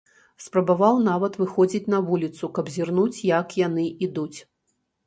Спрабаваў нават выходзіць на вуліцу, каб зірнуць, як яны ідуць.